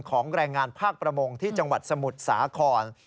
แรงงานภาคประมงที่จังหวัดสมุทรสาคร